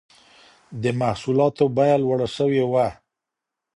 د محصولاتو بيه لوړه سوي وه.